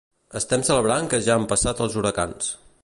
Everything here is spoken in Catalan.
Estem celebrant que ja han passat els huracans.